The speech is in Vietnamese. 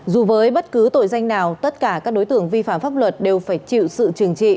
dù với bất cứ tội danh nào tất cả các đối tượng vi phạm pháp luật đều phải chịu sự trừng trị